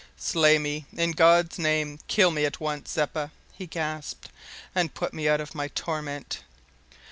"Slay me, in God's name, kill me at once, Zeppa," he gasped, "and put me out of torment."